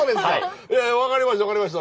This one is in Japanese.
わかりましたわかりました。